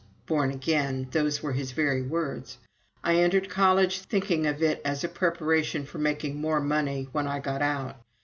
["Born again" those were his very words.] I entered college thinking of it as a preparation for making more money when I got out.